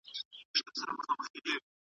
ماشومانو په کابل کې ډېرې منډې وهلې.